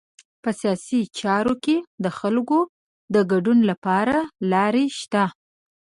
په سیاسي چارو کې د خلکو د ګډون لپاره لارې شته.